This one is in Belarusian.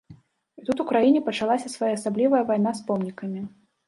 І тут у краіне пачалася своеасаблівая вайна з помнікамі.